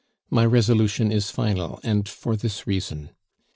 My resolution is final, and for this reason.